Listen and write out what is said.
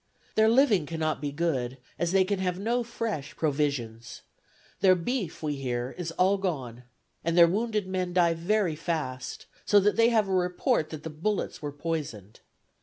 Their living cannot be good, as they can have no fresh provisions; their beef, we hear, is all gone, and their wounded men die very fast, so that they have a report that the bullets were poisoned.